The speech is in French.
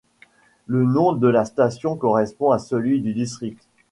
Le nom de la station correspond à celui du district.